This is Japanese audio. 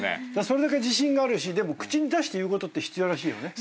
それだけ自信があるしでも口に出して言うことって必要らしいよね。